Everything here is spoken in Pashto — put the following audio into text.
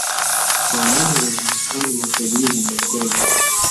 قومونه د افغانستان یوه طبیعي ځانګړتیا ده.